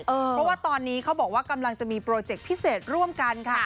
เพราะว่าตอนนี้เขาบอกว่ากำลังจะมีโปรเจคพิเศษร่วมกันค่ะ